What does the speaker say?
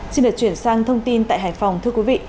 xin được chuyển sang thông tin tại hải phòng thưa quý vị